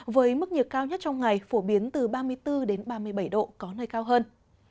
với mức nhiệt cao nhất trong ngày phổ biến từ ba mươi bốn ba mươi bảy độ có nơi cao hơn